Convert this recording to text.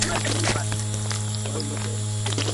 Namba Nne ni Christiano Ronaldo tofauti yake na Messi ni kwamba